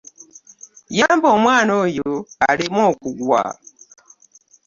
Yamba omwana oyo aleme okuggwa.